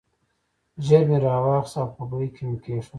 ژر مې راواخیست او په بیک کې مې کېښود.